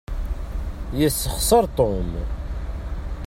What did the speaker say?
Yessexseṛ Tom.